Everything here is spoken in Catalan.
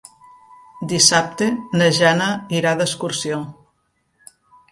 Dissabte na Jana irà d'excursió.